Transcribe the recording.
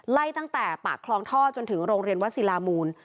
ไล่ตั้งแต่ปากคลองท่อจนถึงโรงเรียนวัดศิลามูล